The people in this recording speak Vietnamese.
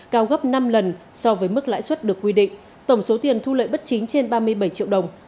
cao gấp năm lần so với mức lãi suất được quy định tổng số tiền thu lợi bất chính trên ba mươi bảy triệu đồng